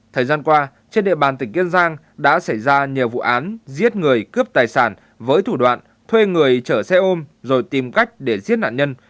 thời gian qua trên địa bàn tỉnh kiên giang đã xảy ra nhiều vụ án giết người cướp tài sản với thủ đoạn thuê người chở xe ôm rồi tìm cách để giết nạn nhân